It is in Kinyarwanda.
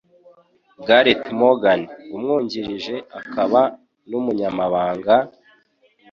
Gareth Morgan, umwungirije akaba n'umunyamabanga,